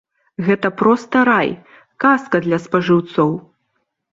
Гэта проста рай, казка для спажыўцоў.